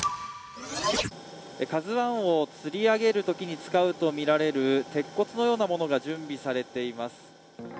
「ＫＡＺＵⅠ」をつり上げるときに使うとみられる鉄骨のようなものが準備されています。